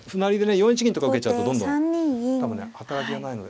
４一銀とか受けちゃうとどんどん多分ね働けないので。